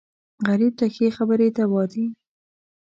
غریب ته ښې خبرې دوا دي